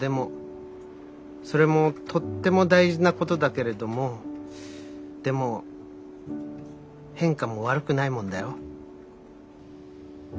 それもとっても大事なことだけれどもでも変化も悪くないもんだよ。